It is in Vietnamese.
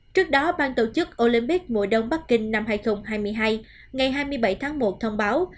trước đó bang tổ chức olympic mùa đông bắc kinh năm hai nghìn hai mươi hai ngày hai mươi bảy tháng một thông báo